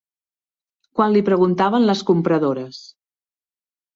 Quan li preguntaven les compradores